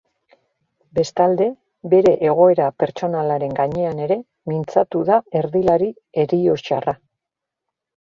Bestalde, bere egoera pertsonalaren gainean ere mintzatu da erdilari erioxarra.